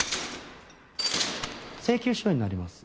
請求書になります。